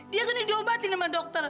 dia kan yang diobatin sama dokter